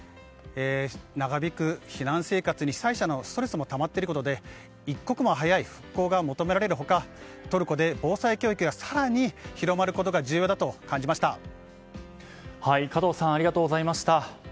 長引く避難生活に、被災者のストレスもたまっていることで一刻も早い復興が求められる他トルコで防災教育が更に広まることが加藤さんありがとうございました。